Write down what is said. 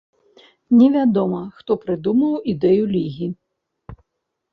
Невядома, хто прыдумаў ідэю лігі.